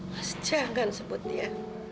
mas jangan sebut dia